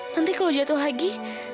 nanti kalo jatuh lagi